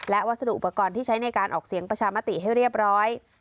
และวัสดุอุปกรณ์ที่ใช้ในการออกเสียงประชามติให้เรียบร้อย